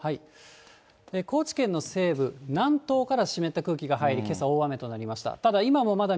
高知県の西部、南東から湿った空気が入り、けさ大雨となりました。